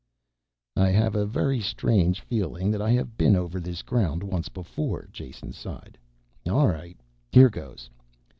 "I have a very strange feeling that I have been over this ground once before," Jason sighed. "All right, here goes.